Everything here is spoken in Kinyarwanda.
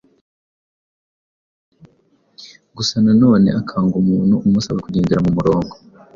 gusa nanone akanga umuntu umusaba kugendera mu murongo